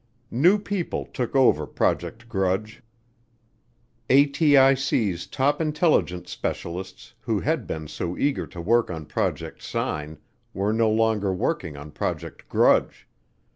New people took over Project Grudge. ATIC's top intelligence specialists who had been so eager to work on Project Sign were no longer working on Project Grudge.